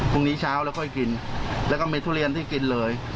พรุ่งนี้เช้าแล้วค่อยกินแล้วก็มีทุเรียนที่กินเลย